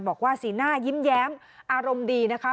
บอกว่าสีหน้ายิ้มแย้มอารมณ์ดีนะคะ